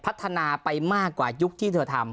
พัฒนาไปมากกว่ายุคที่เธอทำ